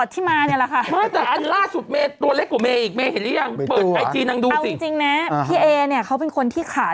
เดี๋ยวกลับมาดูว่าเป็นยังไงค่ะ